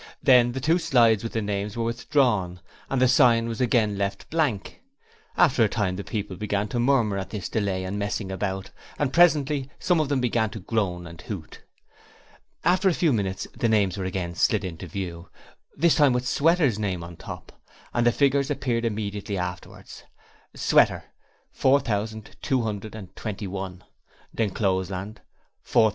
Then the two slides with the names were withdrawn, and the sign was again left blank. After a time the people began to murmur at all this delay and messing about, and presently some of them began to groan and hoot. After a few minutes the names were again slid into view, this time with Sweater's name on top, and the figures appeared immediately afterwards: Sweater .................... 4,221 D'Encloseland .......